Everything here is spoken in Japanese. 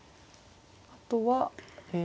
あとはえ